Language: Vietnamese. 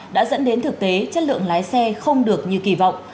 đã dẫn đến thực tế chất lượng lái xe không được như kỳ vọng